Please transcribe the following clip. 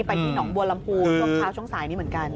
ที่หนองบัวลำพูช่วงเช้าช่วงสายนี้เหมือนกัน